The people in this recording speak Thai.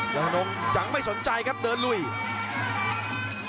ยอดธนงย์ยังไม่สนใจครับเดินล่วน